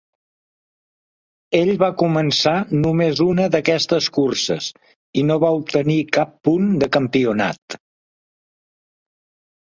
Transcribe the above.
Ell va començar només una d'aquestes curses, i no va obtenir cap punt de campionat.